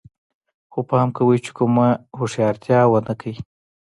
خو پام کوئ چې کومه هوښیارتیا ونه کړئ